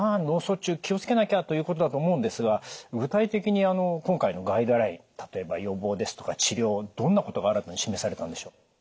脳卒中気を付けなきゃ」ということだと思うんですが具体的にあの今回のガイドライン例えば予防ですとか治療どんなことが新たに示されたんでしょう？